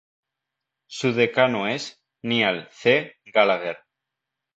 Su decano es Neal C. Gallagher.